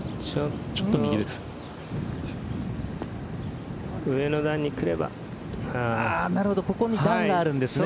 ちょっと右ですね。